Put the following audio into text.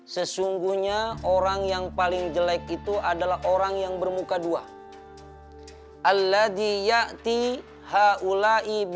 sesungguhnya orang yang paling jelek itu adalah orang yang bermuka dua